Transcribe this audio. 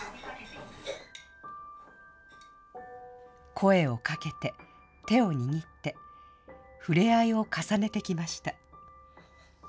声をかけて、手を握って、触れ合いを重ねてきました。